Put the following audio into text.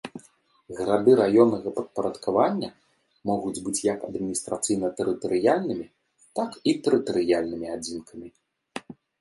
Гарады раённага падпарадкавання могуць быць як адміністрацыйна-тэрытарыяльнымі, так і тэрытарыяльнымі адзінкамі.